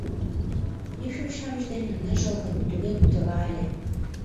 Икшыве-шамыч дене ныжылгын туге кутыра ыле.